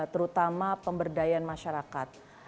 terutama pemberdayaan masyarakat